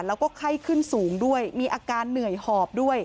แล้วก็ไข้ขึ้นสูงด้วยมีอาการเหนื่อยหอบด้วย